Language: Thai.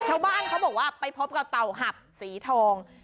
ชาวบ้านเขาบอกว่าไปพบกับเต่าหับสีทอง